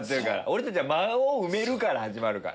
俺たちは「間を埋める」から始まるから。